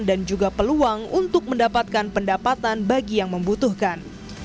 dan juga peluang untuk mendapatkan pendapatan bagi yang membutuhkan